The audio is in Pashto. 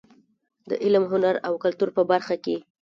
د علم، هنر او کلتور په برخه کې.